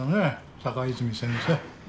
高泉先生。